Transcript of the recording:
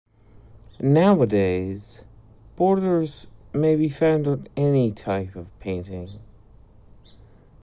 Nowadays, borders may be found on any type of painting.